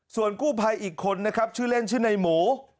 ส่วนกู้ภัยอีกคนนะครับชื่อเล่นชื่อในหมู